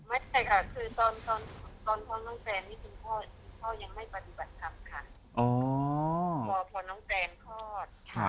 ไม่ใช่ค่ะคือตอนพ่อน้องแจนนี่คุณพ่อยังไม่ปฏิบัติธรรมค่ะ